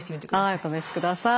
はいお試しください。